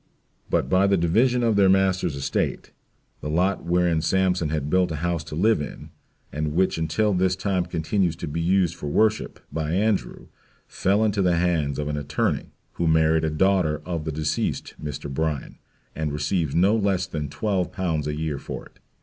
But by the division of their master's estate, the lot whereon Sampson had built a house to live in, and which until this time continues to be used for worship, by Andrew, fell into the hands of an attorney, who married a daughter of the deceased Mr. Bryan, and receives no less than 12 l. a year for it.